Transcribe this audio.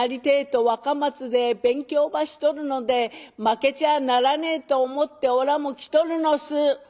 てえと若松で勉強ばしとるので負けちゃあならねえと思っておらも来とるのす」。